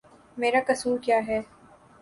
میرا قصور کیا ہے؟